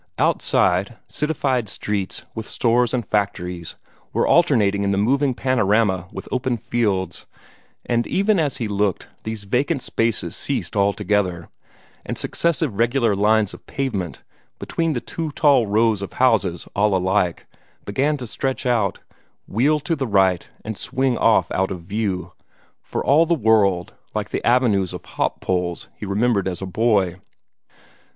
Outside, citified streets, with stores and factories, were alternating in the moving panorama with open fields; and, even as he looked, these vacant spaces ceased altogether, and successive regular lines of pavement, between two tall rows of houses all alike, began to stretch out, wheel to the right, and swing off out of view, for all the world like the avenues of hop poles he remembered as a boy.